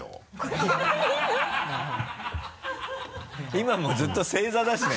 今もずっと正座だしね。